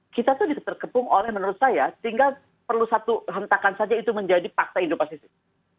kita itu diterkepung oleh menurut saya tinggal perlu satu rentakan saja itu menjadi fakta indo persisim